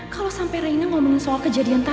kalo sampe raina ngomongin soal kejadian tadi